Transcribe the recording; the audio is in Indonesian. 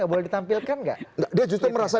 boleh ditampilkan gak